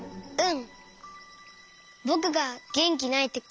うん。